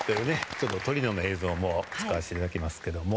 ちょっとトリノの映像も使わせて頂きますけども。